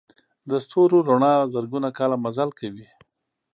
د ستورو رڼا زرګونه کاله مزل کوي.